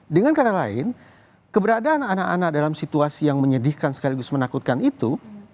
dengan kata lain keberadaan anak anak dalam situasi yang menyedihkan sekaligus menakutkan itu